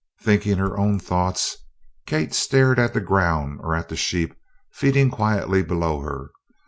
Thinking her own thoughts, Kate stared at the ground, or at the sheep feeding quietly below her.